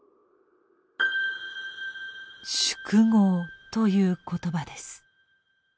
「宿業」という言葉です。